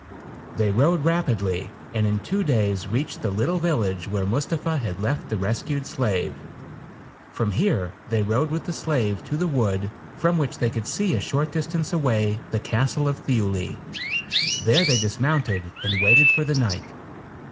They rode rapidly, and in two days reached the little village where Mustapha had left the res cued slave. From here they rode with the slave to the wood from which they could see a short dis tance away, the castle of Thiuli. There they dis mounted and waited for the night.